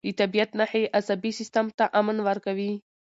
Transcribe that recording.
د طبیعت نښې عصبي سیستم ته امن ورکوي.